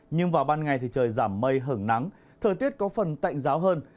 nhưng vào ban ngày thì trời giảm mây hưởng nắng thời tiết có phần tạnh giáo hơn